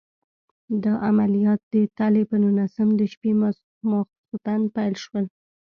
دا عملیات د تلې په نولسم د شپې ماخوستن پیل شول.